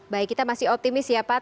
baik kita masih optimis ya pak